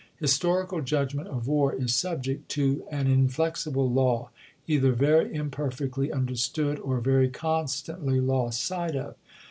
Historical judgment of war is subject to an in flexible law, either very imperfectly understood or very coiistantly lost sight of.